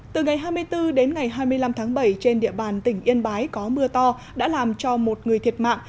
từ ngày hai mươi bốn đến ngày hai mươi năm tháng bảy trên địa bàn tỉnh yên bái có mưa to đã làm cho một người thiệt mạng